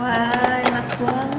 wah enak banget